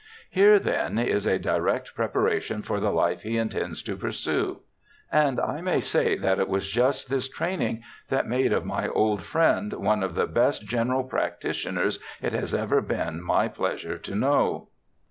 Here, then, is a direct preparation for the hfe he intends to pursue.' And I may say that it was just this training that made of my old friend one of the best general practitioners it has ever been m}' pleasure to know.